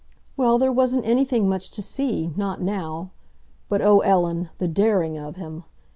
"Well, there wasn't anything much to see—not now. But, oh, Ellen, the daring of him!